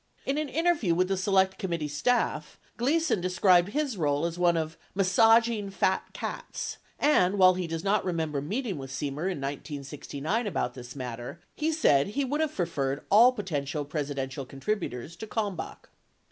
In an interview with the Select Committee staff, Glea son described his role as one of "massaging fat cats" and, while he does not remember meeting with Semer in 1969 about this matter, he said he would have referred all potential Presidential contributors to Kalmbach.